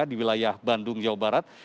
di wilayah bandung jawa barat